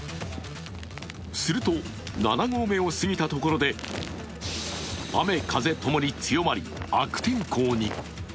すると、７合目を過ぎたところで雨風ともに強まり、悪天候に。